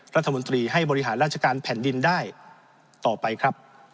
รัฐมนตรีให้บริหารราชการแผ่นดินได้ต่อไปครับ